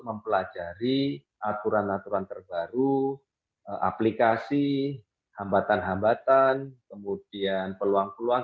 mempelajari aturan aturan terbaru aplikasi hambatan hambatan kemudian peluang peluang